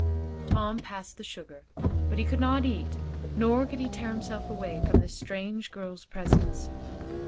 Tom passed the sugar, but he could not eat, nor could he tear himself away from this strange girl's presence.